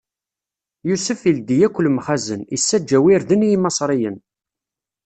Yusef ildi akk lemxazen, issaǧaw irden i Imaṣriyen.